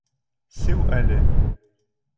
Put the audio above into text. Сеү әле!